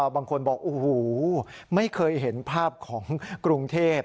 บางคนบอกโอ้โหไม่เคยเห็นภาพของกรุงเทพ